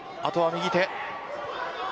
あとは右手。